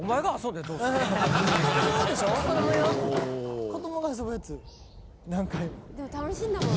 でも楽しいんだもん。